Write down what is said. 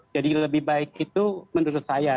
jadi lebih baik itu menurut saya